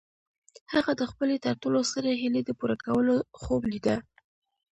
هغه د خپلې تر ټولو سترې هيلې د پوره کولو خوب ليده.